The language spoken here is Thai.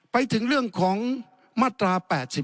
ไปถึงเรื่องของมาตรา๘๔